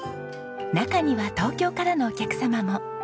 中には東京からのお客様も。